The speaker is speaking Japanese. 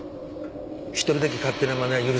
１人だけ勝手なまねは許さんでな。